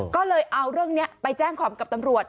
ก็เลยเอาเรื่องนี้ไปแจ้งความกับตำรวจ